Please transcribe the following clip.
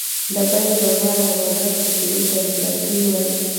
د بیې لوړوالي او ارزښت ټیټېدو ته انفلاسیون وايي